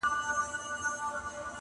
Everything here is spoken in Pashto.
په يادونو جوړېږي تل-